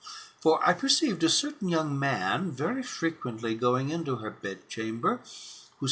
For I perceived a certain young man very frequently going into her bedchamber, whose face also I very